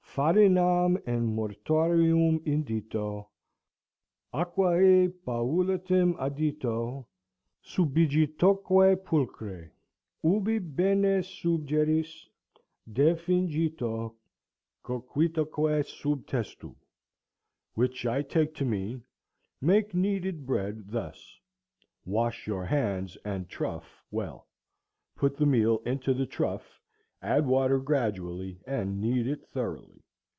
Farinam in mortarium indito, aquæ paulatim addito, subigitoque pulchre. Ubi bene subegeris, defingito, coquitoque sub testu." Which I take to mean—"Make kneaded bread thus. Wash your hands and trough well. Put the meal into the trough, add water gradually, and knead it thoroughly.